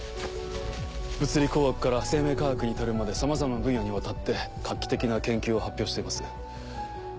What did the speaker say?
物理工学から生命科学に至るまでさまざまな分野にわたって画期的な研究を発表しています。